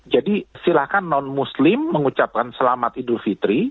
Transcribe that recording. jadi silakan non muslim mengucapkan selamat idul fitri